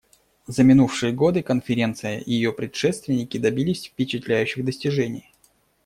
За минувшие годы Конференция и ее предшественники добились впечатляющих достижений.